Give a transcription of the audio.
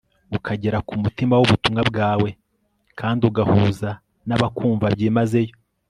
ukagera kumutima wubutumwa bwawe kandi ugahuza nabakwumva byimazeyo